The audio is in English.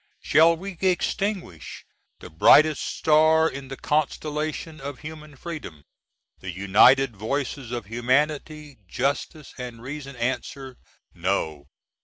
Shall we extinguish the brightest star in the constellation of human freedom? The united voices of Humanity, Justice, & Reason answer, _No!